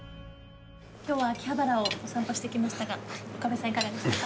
今日は秋葉原をお散歩してきましたが岡部さんいかがでしたか？